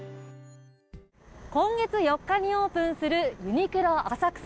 今月４日にオープンするユニクロ浅草。